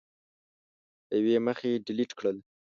له یوې مخې ډیلېټ کړل